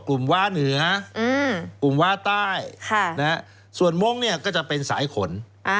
กลุ่มว่าเหนือกลุ่มว่าใต้ส่วนมงก็จะเป็นสายขน